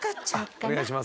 お願いします。